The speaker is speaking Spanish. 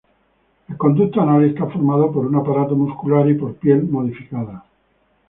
El conducto anal está formado por un aparato muscular y por piel modificada.